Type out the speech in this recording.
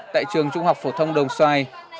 tại trường trung học phổ thông đồng xoài